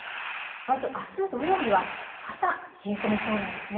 まずあす土曜日は朝、冷え込みそうなんですね。